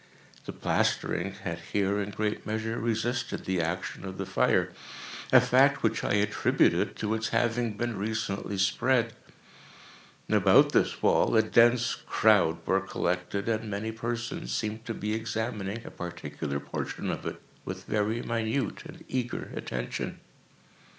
The plastering had here, in great measure, resisted the action of the fire—a fact which I attributed to its having been recently spread. About this wall a dense crowd were collected, and many persons seemed to be examining a particular portion of it with very minute and eager attention.